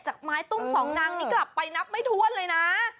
ไม้ตุ้งสองนางนี้กลับไปนับไม่ถ้วนเลยนะ